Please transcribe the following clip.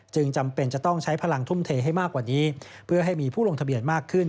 จำเป็นจะต้องใช้พลังทุ่มเทให้มากกว่านี้เพื่อให้มีผู้ลงทะเบียนมากขึ้น